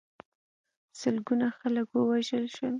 سلګونه خلک ووژل شول.